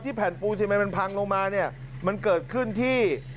แผ่นปูซีเมนมันพังลงมาเนี่ยมันเกิดขึ้นที่